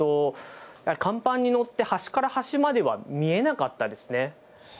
甲板に乗って、端から端までは見えなかったですね。